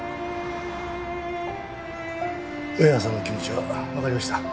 上原さんの気持ちはわかりました。